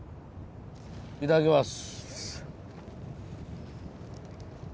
いただきます！